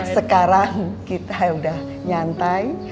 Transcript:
sekarang kita udah nyantai